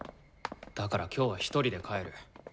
だから今日はひとりで帰る。